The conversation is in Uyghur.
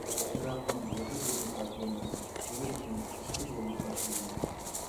چىراغنىڭ يېغى بولمىسا كۆيمەس، يىگىتنىڭ ئىشقى بولمىسا سۆيمەس.